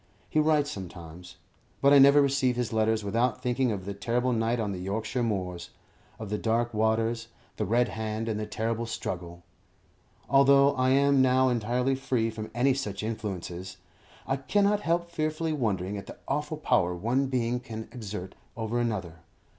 He writes sometimes, but I never receive his letters without thinking of the terrible night on the Yorkshire moors of the dark waters, the red hand, and the terrible struggle. Although I am now entirely free from any such influences, I cannot help fearfully wondering at the awful power one being can exert over another.